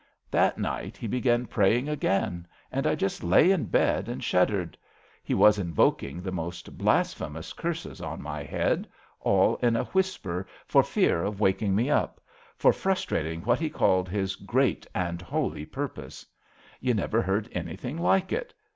^^ That night he began praying again, and I just lay in bed and shuddered. He was invoking the most blasphemous curses on my head — all in a whisper, for fear of waking me up — ^for frus trating what he called his * great and holy pur pose.' You never heard anything like it.